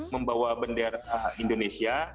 membawa bender indonesia